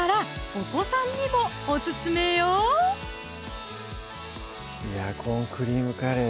お子さんにもオススメよいやぁ「コーンクリームカレー」